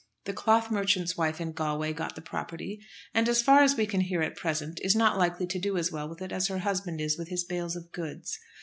The cloth merchant's wife in Galway got the property; and, as far as we can hear at present, is not likely to do as well with it as her husband is with his bales of goods.